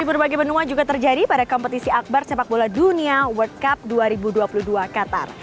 berbagai benua juga terjadi pada kompetisi akbar sepak bola dunia world cup dua ribu dua puluh dua qatar